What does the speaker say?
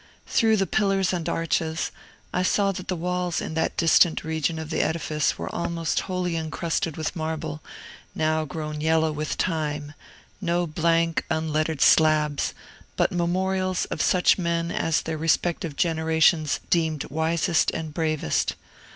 Through the pillars and arches, I saw that the walls in that distant region of the edifice were almost wholly incrusted with marble, now grown yellow with time, no blank, unlettered slabs, but memorials of such men as their respective generations deemed wisest and bravest.